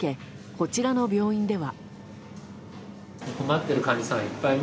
こちらの病院では。